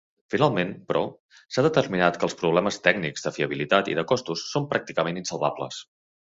Finalment, però, s'ha determinat que els problemes tècnics, de fiabilitat i de costos són pràcticament insalvables.